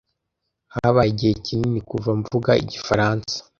Habaye igihe kinini kuva mvuga Igifaransa.